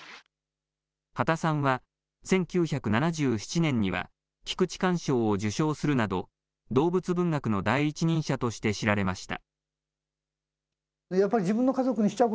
畑さんは１９７７年には菊池寛賞を受賞するなど動物文学の第一人者として知られました。